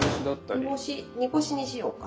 煮干しにしようか。